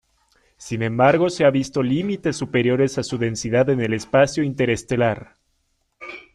Sin embargo se ha visto límites superiores a su densidad en el espacio interestelar.